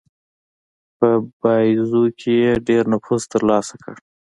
په باییزو کې یې ډېر نفوذ ترلاسه کړ.